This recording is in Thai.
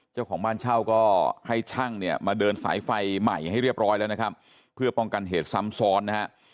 เจ้าของบ้านเช่าก็ให้ช่างเนี่ยมาเดินสายไฟใหม่ให้เรียบร้อยแล้วนะครับเพื่อป้องกันเหตุซ้ำซ้อนนะฮะ